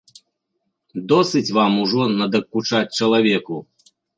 Досыць вам ужо надакучаць чалавеку.